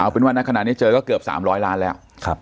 เป็นว่าณขณะนี้เจอก็เกือบ๓๐๐ล้านแล้ว